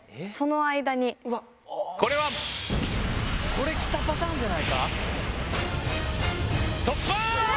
これきたパターンじゃないか？